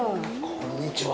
こんにちは。